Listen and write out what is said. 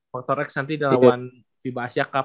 faktor x nanti dia lawan viva asia cup